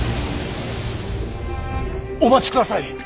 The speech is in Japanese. お待ちください。